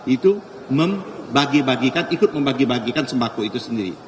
itu membagi bagikan ikut membagi bagikan sembako itu sendiri